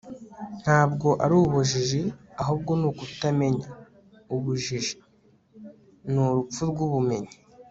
ntabwo ari ubujiji, ahubwo ni ukutamenya ubujiji, ni urupfu rw'ubumenyi